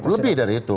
lebih dari itu